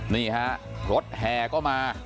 นี่ฮะรถแห่ก็มา